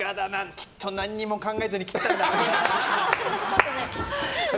きっと何も考えずに切ったんだろうな。